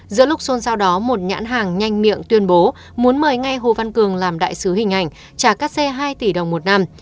giữa lúc xôn sau đó một nhãn hàng nhanh miệng tuyên bố muốn mời ngay hồ văn cường làm đại sứ hình ảnh trả các xe hai tỷ đồng một năm